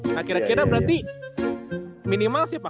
nah kira kira berarti minimal siapa